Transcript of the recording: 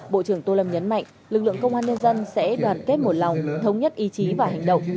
bộ trưởng tô lâm nhấn mạnh lực lượng công an nhân dân sẽ đoàn kết một lòng thống nhất ý chí và hành động